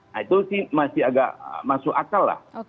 nah itu sih masih agak masuk akal lah